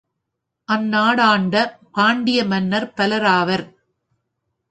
அந்நாடாண்ட பாண்டிய மன்னர் பலராவர்.